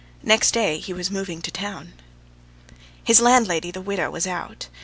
Next day he was moving, to town. His landlady, the widow, was out.